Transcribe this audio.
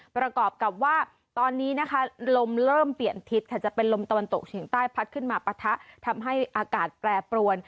ประกอบกับว่าตอนนี้นะคะลมเริ่มเปลี่ยนทิศค่ะจะเป็นลมตะวันตกเฉียงใต้พัดขึ้นมาปะทะทำให้อากาศแปรปรวน